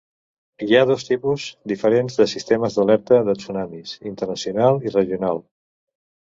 Hi ha dos tipus diferents de sistemes d'alerta de tsunamis: internacional i regional.